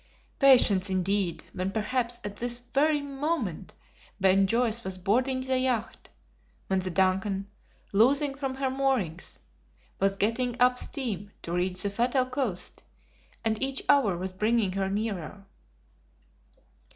Patience, indeed, when perhaps at this very moment Ben Joyce was boarding the yacht; when the DUNCAN, loosing from her moorings, was getting up steam to reach the fatal coast, and each hour was bringing her nearer.